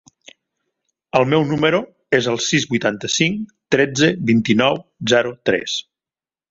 El meu número es el sis, vuitanta-cinc, tretze, vint-i-nou, zero, tres.